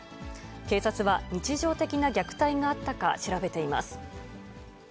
警察は日常的な虐待があったか調べています。